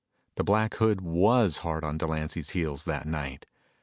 The Black Hood was hard on Delancy's heels that night.